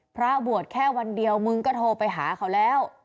พระบวชแค่วันเดียวมึงก็โทรไปหาเขาแล้ว